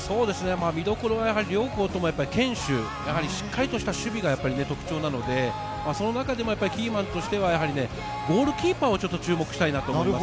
見どころは両校とも、堅守しっかりとした守備が特徴なので、その中でもキーマンとしてはゴールキーパーを注目したいなと思います。